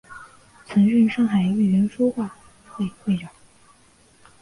曾任上海豫园书画会会长。